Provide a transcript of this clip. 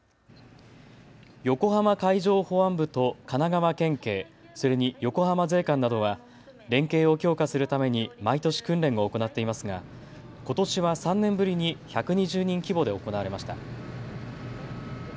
横浜海上保安部と神奈川県警、それに横浜税関などは連携を強化するために毎年訓練を行っていますがことしは３年ぶりに１２０人規模で行われました。